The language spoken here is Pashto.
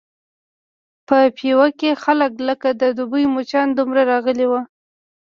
په پېوه کې خلک لکه د دوبي مچانو دومره راغلي وو.